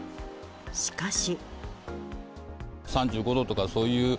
しかし。